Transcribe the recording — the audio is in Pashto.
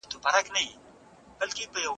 س۔۔۔ اغیار پښتو د دوږخ ژبه ګڼي ته څه پکښي وایې؟